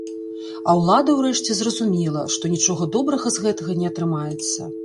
А ўлада ўрэшце зразумела, што нічога добрага з гэтага не атрымаецца.